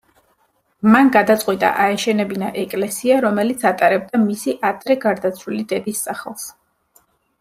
მან გადაწყვიტა აეშენებინა ეკლესია, რომელიც ატარებდა მისი ადრე გარდაცვლილი დედის სახელს.